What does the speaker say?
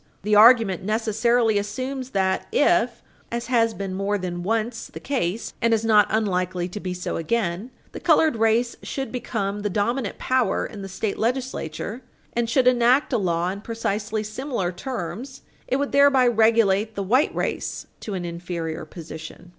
The argument necessarily assumes that if, as has been more than once the case and is not unlikely to be so again, the colored race should become the dominant power in the state legislature, and should enact a law in precisely similar terms, it would thereby relegate the white race to an inferior position.